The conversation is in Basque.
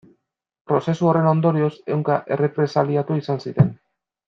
Prozesu horren ondorioz, ehunka errepresaliatu izan ziren.